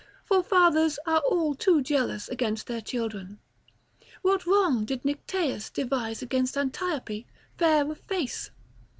For fathers are all too jealous against their children; what wrong did Nycteus devise against Antiope, fair of face!